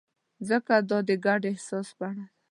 ځکه دا د ګډ احساس بڼه ده.